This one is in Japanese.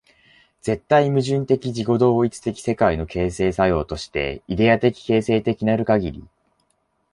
絶対矛盾的自己同一的世界の形成作用として、イデヤ的形成的なるかぎり、